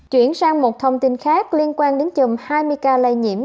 chuyển sang một thông tin khác liên quan đến chùm hai mươi ca lây nhiễm